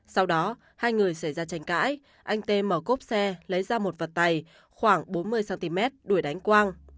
sau đó hai người xảy ra tranh cãi anh tê mở cốp xe lấy ra một vật tay khoảng bốn mươi cm đuổi đánh quang